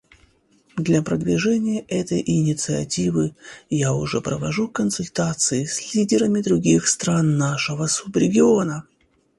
Для продвижения этой инициативы я уже провожу консультации с лидерами других стран нашего субрегиона.